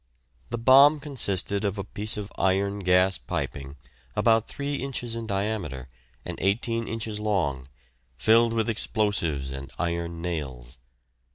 The bomb consisted of a piece of iron gas piping about 3 inches in diameter and 18 inches long, filled with explosives and iron nails.